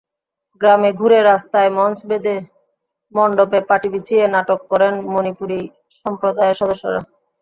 গ্রামে ঘুরে, রাস্তায় মঞ্চ বেঁধে, মণ্ডপে পাটি বিছিয়ে নাটক করেন মণিপুরি সম্প্রদায়ের সদস্যরা।